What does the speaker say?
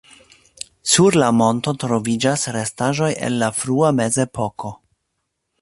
Sur la monto troviĝas restaĵoj el la frua mezepoko.